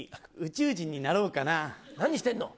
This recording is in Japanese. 何してんの？